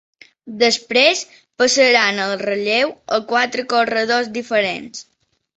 Després passaran el relleu a quatre corredors diferents.